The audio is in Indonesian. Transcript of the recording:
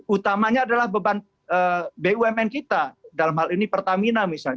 utamanya adalah beban bumn kita dalam hal ini pertamina misalnya